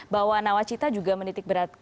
bahwa nawacita juga berhasil menemukan perubahan